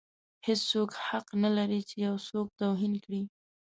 هیڅوک حق نه لري چې یو څوک توهین کړي.